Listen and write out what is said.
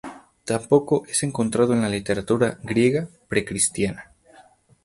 Tampoco es encontrado en la literatura griega pre-cristiana.